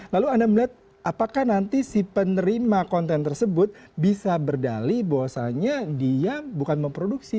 lalu anda melihat apakah nanti si penerima konten tersebut bisa berdali bahwasannya dia bukan memproduksi